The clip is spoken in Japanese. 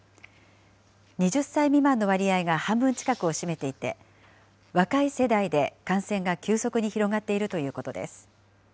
２０歳未満の割合が半分近くを占めていて、若い世代で感染が急速に広がっているということです。